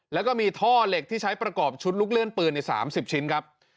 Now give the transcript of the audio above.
แล้วก็มีท่อเหล็กที่ใช้ประกอบชุดลุกเลื่อนปืนใน๓๐ชิ้นครับ